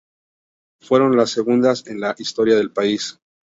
Fueron las segundas en la historia del país.